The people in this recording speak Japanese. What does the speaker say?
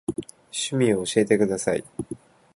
趣味を教えてください。